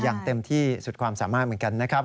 อย่างเต็มที่สุดความสามารถเหมือนกันนะครับ